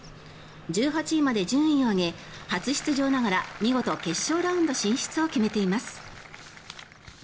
１８位まで順位を上げ初出場ながら見事、決勝ラウンド進出を決めています。